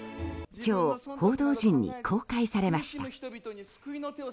今日、報道陣に公開されました。